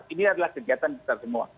ini adalah kegiatan kita semua